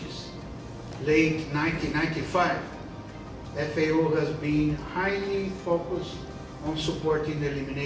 pada tahun seribu sembilan ratus sembilan puluh lima fao telah berfokus terbesar dalam mendukung penelitian